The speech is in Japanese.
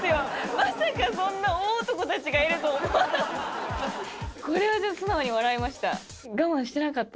まさかそんな大男たちがいると思わなかった。